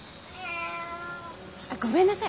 あっごめんなさい。